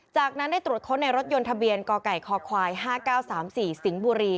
จากนั้นได้ตรวจค้นในรถยนต์ทะเบียนกไก่คคควาย๕๙๓๔สิงห์บุรี